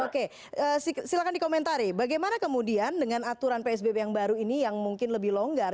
oke silakan dikomentari bagaimana kemudian dengan aturan psbb yang baru ini yang mungkin lebih longgar